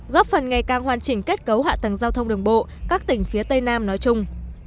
góp phần ngày càng hoàn chỉnh kết cấu hạ tầng giao thông đường bộ các tỉnh phía tây nam nói chung